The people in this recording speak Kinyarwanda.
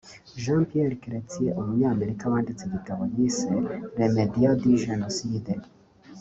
Jean-Pierre Chrétien umunyamateka wanditse igitabo yise “Les médias du génocide”